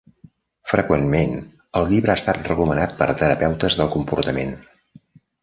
Freqüentment, el llibre ha estat recomanat per terapeutes del comportament.